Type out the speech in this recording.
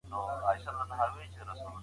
يو کوچنى دوه سېبه رانيسي.